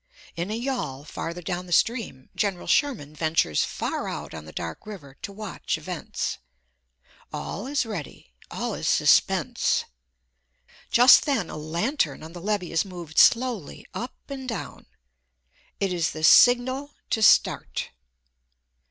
In a yawl, farther down the stream, General Sherman ventures far out on the dark river to watch events. All is ready, all is suspense. Just then a lantern on the levee is moved slowly up and down. It is the signal to start.